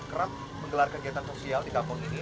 kerap menggelar kegiatan sosial di kampung ini